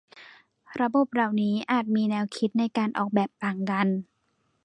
ระบบเหล่านี้อาจมีแนวคิดในการออกแบบต่างกัน